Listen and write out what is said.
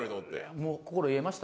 もう心癒えました？